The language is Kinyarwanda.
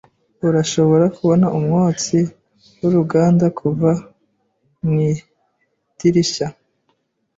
Urashobora kubona umwotsi wuruganda kuva mwidirishya.